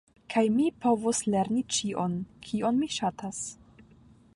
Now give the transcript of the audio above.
Kaj mi povos lerni ĉion, kion mi ŝatas.